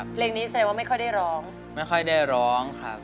เพลงนี้แสดงว่าไม่ค่อยได้ร้องไม่ค่อยได้ร้องครับ